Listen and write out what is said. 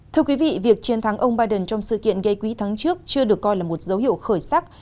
thưa quý vị việc chiến thắng ông biden trong sự kiện gây quỹ tháng trước chưa được coi là một dấu hiệu khởi sắc